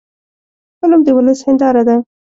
فلم د ولس هنداره ده